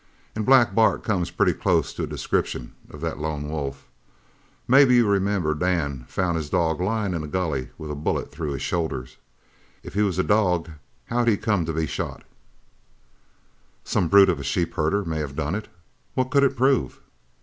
An' Black Bart comes pretty close to a description of the lone wolf. Maybe you remember Dan found his 'dog' lyin' in a gully with a bullet through his shoulder. If he was a dog how'd he come to be shot " "Some brute of a sheep herder may have done it. What could it prove?"